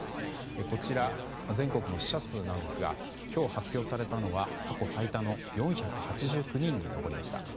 こちら、全国の死者数なんですが今日発表されたのは過去最多の４８９人に上りました。